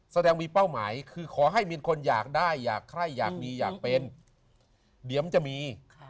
แสดงมีเป้าหมายคือขอให้มีคนอยากได้อยากใครอยากมีอยากเป็นเดี๋ยวมันจะมี